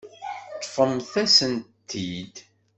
Ṭṭfemt-asen-tent-id.